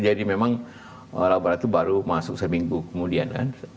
jadi memang alat berat itu baru masuk seminggu kemudian kan